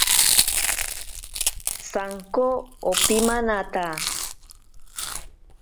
Sanko opimanata.